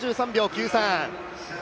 ９３